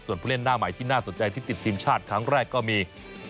ส่วนผู้เล่นหน้าใหม่ที่น่าสนใจที่ติดทีมชาติครั้งแรกก็มี